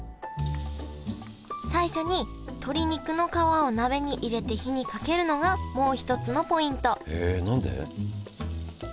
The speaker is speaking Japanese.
最初に鶏肉の皮を鍋に入れて火にかけるのがもう一つのポイントへえ何で？